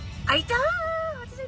あっいた！